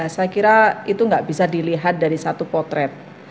saya kira itu nggak bisa dilihat dari satu potret